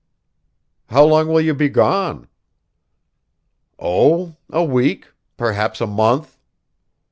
"How long will you be gone?" "Oh, a week perhaps a month."